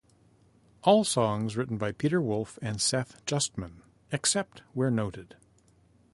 All songs written by Peter Wolf and Seth Justman, except where noted.